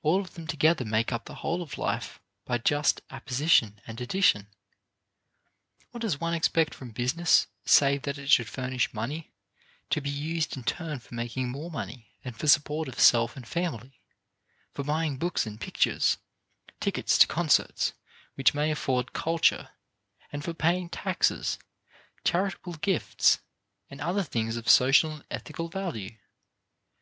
All of them together make up the whole of life by just apposition and addition. What does one expect from business save that it should furnish money, to be used in turn for making more money and for support of self and family, for buying books and pictures, tickets to concerts which may afford culture, and for paying taxes, charitable gifts and other things of social and ethical value?